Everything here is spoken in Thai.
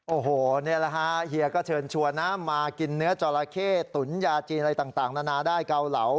โอ้โหนี่แหละฮะเฮียก็เชิญชวนนะมากินเนื้อจอราเข้ตุ๋นยาจีนอะไรต่างนานาได้เกาเหลา